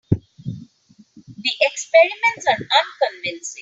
The experiments are unconvincing.